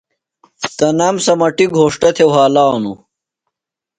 تنام سمَٹیۡ گھوݜتہ تھےۡ وھالانوۡ۔